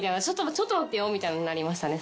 ちょっと待ってよみたいになりましたね